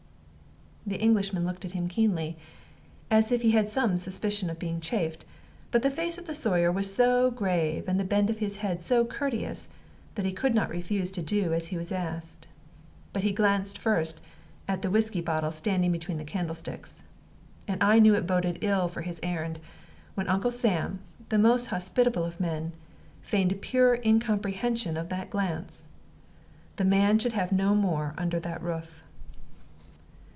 The Englishman looked at him keenly, as if he had some suspicion of being chaffed; but the face of the Sawyer was so grave and the bend of his head so courteous that he could not refuse to do as he was asked. But he glanced first at the whiskey bottle standing between the candlesticks; and I knew it boded ill for his errand when Uncle Sam, the most hospitable of men, feigned pure incomprehension of that glance. The man should have no more under that roof.